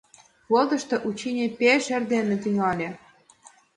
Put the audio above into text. Флотышто учений пеш эрдене тӱҥале.